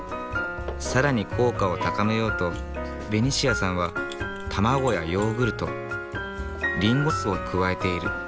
更に効果を高めようとベニシアさんは卵やヨーグルトリンゴ酢を加えている。